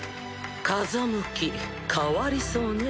風向き変わりそうね。